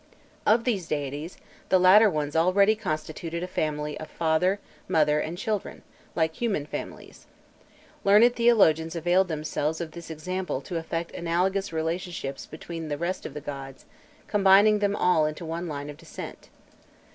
Of these deities, the latter ones already constituted a family of father, mother, and children, like human families. Learned theologians availed themselves of this example to effect analogous relationships between the rest of the gods, combining them all into one line of descent.